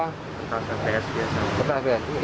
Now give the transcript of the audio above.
kertas abs biasa